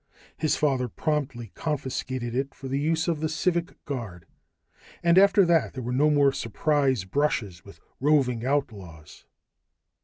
His father promptly confiscated it for the use of the civic guard, and after that there were no more surprise brushes with roving outlaws.